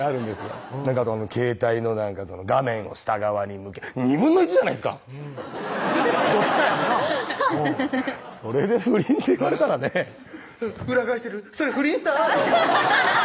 言うて携帯の画面を下側に向け２分の１じゃないっすかどっちかやんなぁそれで不倫って言われたらね「裏返してるそれ不倫さぁ！」